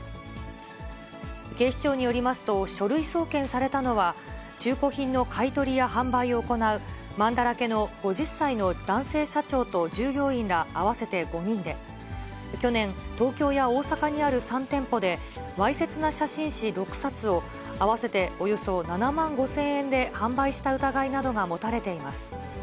警視庁によりますと、書類送検されたのは、中古品の買い取りや販売を行うまんだらけの５０歳の男性社長と従業員ら合わせて５人で、去年、東京や大阪にある３店舗で、わいせつな写真誌６冊を、合わせておよそ７万５０００円で販売した疑いなどが持たれています。